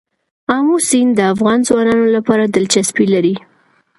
آمو سیند د افغان ځوانانو لپاره دلچسپي لري.